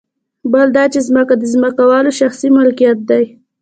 بل دا چې ځمکه د ځمکوالو شخصي ملکیت دی